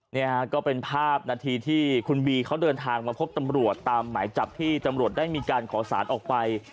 นี่ฮะก็เป็นภาพนาทีที่คุณบีเขาเดินทางมาพบตำรวจตามหมายจับที่ตำรวจได้มีการขอสารออกไป